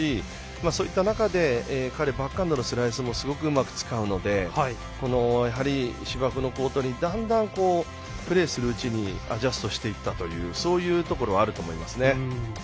そういった中で彼はバックハンドのスライスもすごくうまく使うので芝生のコートでだんだんプレーするうちにアジャストしていったというそういうところはあると思います。